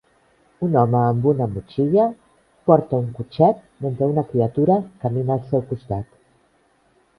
Un home amb una motxilla porta un cotxet mentre una criatura camina al seu costat.